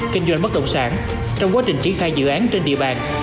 kinh doanh mất đồng sản trong quá trình trí khai dự án trên địa bàn